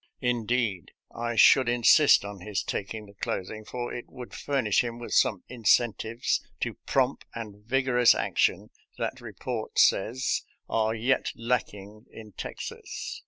^ Indeed, I should insist on his taking the clothing, for it would furnish him with some incentives to prompt and vigorous action that, report says, are yet lacking in Texas.